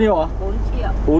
bốn triệu một đôi